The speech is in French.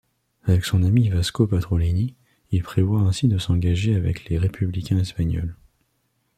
Avec son ami Vasco Pratolini, il prévoit ainsi de s'engager avec les Républicains espagnols.